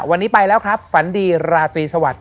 วันนี้ไปแล้วครับฝันดีราตรีสวัสดิ